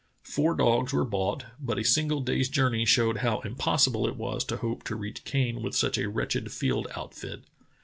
Four dogs were bought, but a single day's journey showed how impos sible it was to hope to reach Kane with such a wretched field outfit.